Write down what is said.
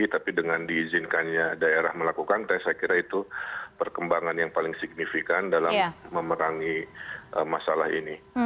tapi dengan diizinkannya daerah melakukan tes saya kira itu perkembangan yang paling signifikan dalam memerangi masalah ini